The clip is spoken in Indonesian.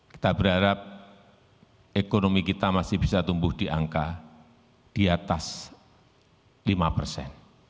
kita berharap ekonomi kita masih bisa tumbuh di angka di atas lima persen